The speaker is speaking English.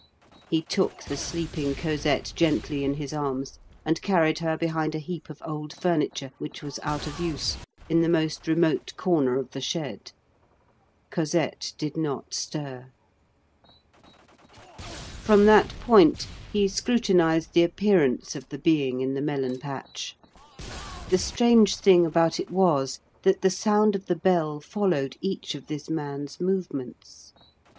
He took the sleeping Cosette gently in his arms and carried her behind a heap of old furniture, which was out of use, in the most remote corner of the shed. Cosette did not stir. From that point he scrutinized the appearance of the being in the melon patch. The strange thing about it was, that the sound of the bell followed each of this man's movements.